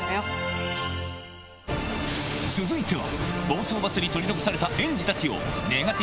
続いては。